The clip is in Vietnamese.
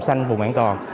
xanh vùng an toàn